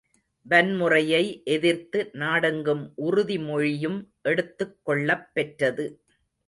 வன்முறையை எதிர்த்து நாடெங்கும் உறுதி மொழியும் எடுத்துக் கொள்ளப்பெற்றது.